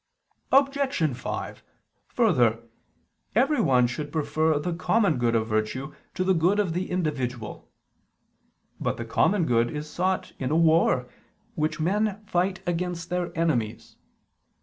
Obj. 5: Further, every one should prefer the common good of virtue to the good of the individual. But the common good is sought in a war which men fight against their enemies.